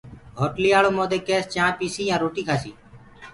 هوٽلَيآݪو مودي ڪيس چآنه پيسي يآنٚ روٽيٚ کآسيٚ